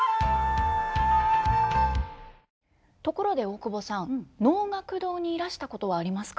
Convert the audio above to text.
ところで大久保さん能楽堂にいらしたことはありますか？